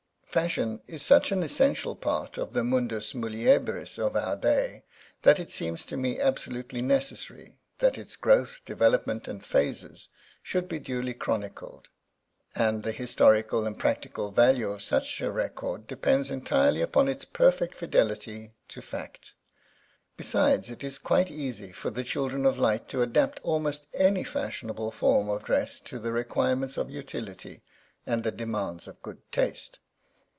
Fashion is such an essential part of the mundus muliebris of our day, that it seems to me absolutely necessary that its growth, development, and phases should be duly chronicled; and the historical and practical value of such a record depends entirely upon its perfect fidelity to fact. Besides, it is quite easy for the children of light to adapt almost any fashionable form of dress to the requirements of utility and the demands of good taste.